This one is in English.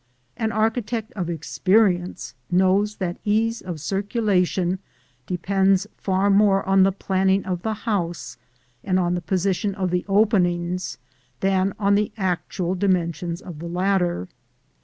Any architect of experience knows that ease of circulation depends far more on the planning of the house and on the position of the openings than on the actual dimensions of the latter.